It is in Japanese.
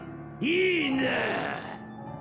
いいなッ！